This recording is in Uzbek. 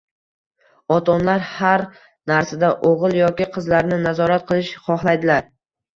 ota-onalar har narsada o‘g‘il yoki qizlarini nazorat qilish xohlaydilar.